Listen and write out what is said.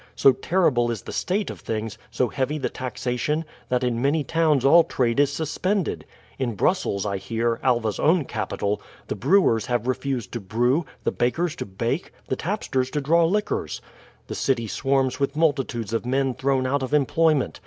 So terrible is the state of things, so heavy the taxation, that in many towns all trade is suspended. In Brussels, I hear, Alva's own capital, the brewers have refused to brew, the bakers to bake, the tapsters to draw liquors. The city swarms with multitudes of men thrown out of employment.